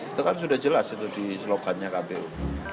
itu kan sudah jelas itu di slogan nya kpu